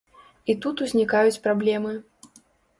І тут узнікаюць праблемы.